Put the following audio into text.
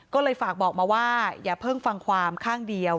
ก็เลยฝากบอกมาว่าอย่าเพิ่งฟังความข้างเดียว